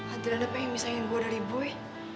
adriana pengen misahin gue dari boy